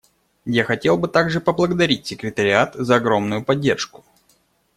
Я хотел бы также поблагодарить Секретариат за огромную поддержку.